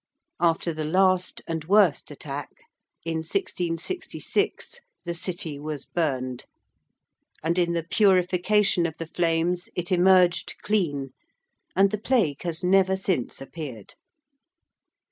After the last, and worst attack, in 1666 the City was burned, and in the purification of the flames it emerged clean, and the Plague has never since appeared.